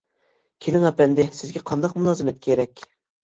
-كېلىڭ ئەپەندى، سىزگە قانداق مۇلازىمەت كېرەك.